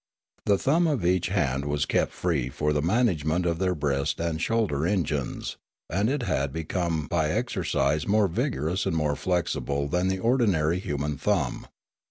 The thumb of each hand was kept free for the management of their breast and shoulder engines; and it had become by exercise more vigorous and more flexible than the ordinary human thumb.